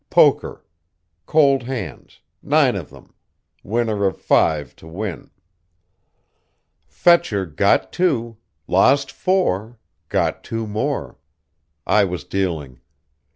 Poker. Cold hands. Nine of them. Winner of five to win.... "Fetcher got two, lost four, got two more. I was dealing.